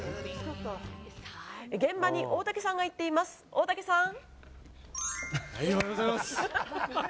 現場に大竹さんが行っています、大竹さん。